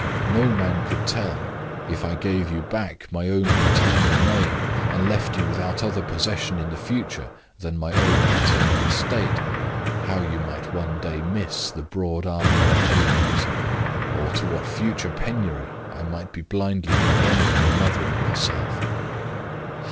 No man could tell if I gave you back my own paternal name, and left you without other provision in the future than my own paternal estate how you might one day miss the broad Armadale acres, or to what future penury I might be blindly condemning your mother and yourself.